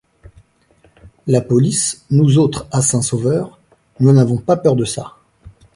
La police, nous autres à Saint-Sauveur, nous n'avons pas peur de ça.